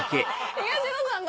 東野さんだ。